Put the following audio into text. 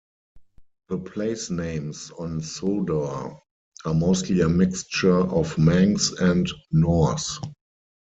The place names on Sodor are mostly a mixture of Manx and Norse.